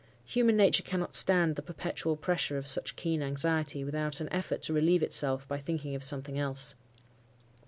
Human nature cannot stand the perpetual pressure of such keen anxiety, without an effort to relieve itself by thinking of something else.